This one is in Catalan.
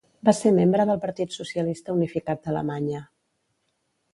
Va ser membre del Partit Socialista Unificat d'Alemanya.